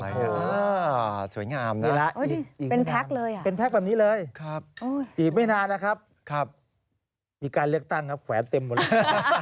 อ้าวสวยงามนะอีกไม่นานนะครับมีการเลือกตั้งครับแขวนเต็มหมดแล้ว